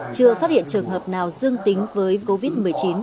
chưa phát hiện trường hợp nào dương tính với covid một mươi chín